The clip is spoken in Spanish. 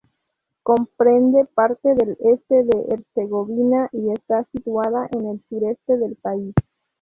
Comprende parte del Este de Herzegovina, y está situada en el sureste del país.